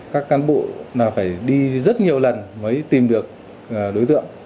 các cán bộ phải đi rất nhiều lần mới tìm được đối tượng